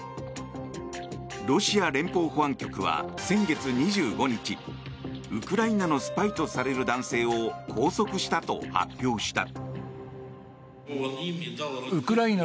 ロシア連邦保安局は先月２５日ウクライナのスパイとされる男性を拘束したと発表した。